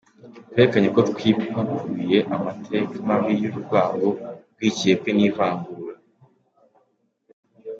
Twerekanye ko twipakuruye amateka mabi y’urwango, urwikekwe n’ivangura.